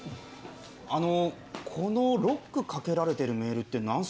あのこのロックかけられてるメールって何すか？